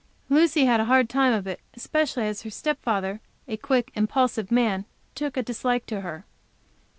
Lucy had a hard time of it, especially as her step father, a quick, impulsive man, took a dislike to her.